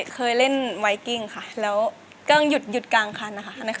เคยเล่นไวปิงและกล้องหยุดกางคัน